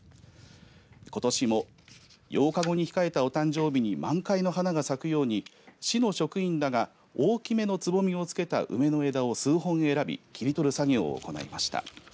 ことしも８日後に控えたお誕生日に満開の花が咲くように市の職員らが大きめのつぼみをつけた梅の枝を数本選び切り取る作業を行いました。